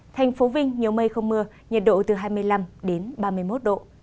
thành phố vinh nhiều mây không mưa nhiệt độ từ hai mươi năm đến ba mươi một độ